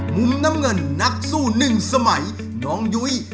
มุมน้ำเงินนักสู้หนึ่งสมัยน้องยุ้ย